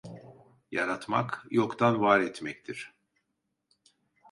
Yaratmak yoktan var etmektir.